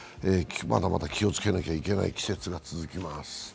まだまだ気をつけなきゃいけない季節が続きます。